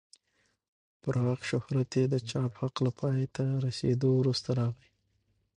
پراخ شهرت یې د چاپ حق له پای ته رسېدو وروسته راغی.